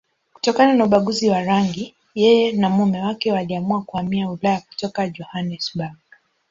Kutokana na ubaguzi wa rangi, yeye na mume wake waliamua kuhamia Ulaya kutoka Johannesburg.